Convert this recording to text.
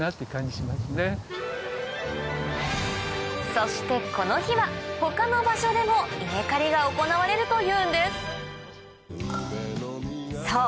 そしてこの日は他の場所でも稲刈りが行われるというんですそう